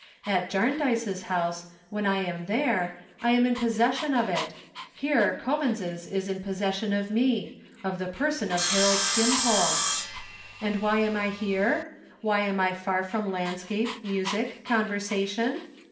At Jarndyce's house, when I am there, I am in possession of it: here Coavins's is in possession of me—of the person of Harold Skimpole. And why am I here? Why am I far from landscape, music, conversation?